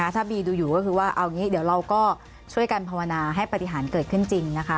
ถ้าบีดูอยู่ก็คือว่าเอางี้เดี๋ยวเราก็ช่วยกันภาวนาให้ปฏิหารเกิดขึ้นจริงนะคะ